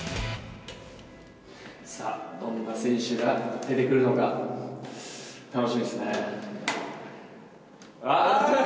さあ、どんな選手が出てくるのか、楽しみですね。